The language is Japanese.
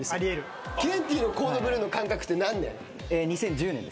ケンティーの『コード・ブルー』の感覚って何年？